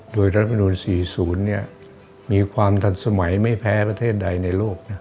โดยรัฐมนุน๔๐มีความทันสมัยไม่แพ้ประเทศใดในโลก